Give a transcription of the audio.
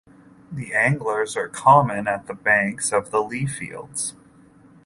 Anglers are common at the banks of the Lee Fields.